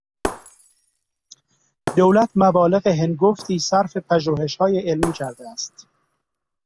دولت مبالغ هنگفتی صرف پژوهشهای علمی کرده است.